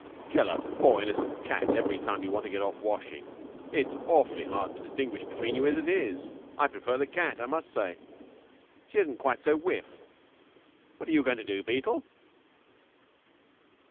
"Kill a poor innocent cat every time you want to get off washing. It's awfully hard to distinguish between you as it is. I prefer the cat, I must say. She isn't quite so whiff. What are you goin' to do, Beetle?"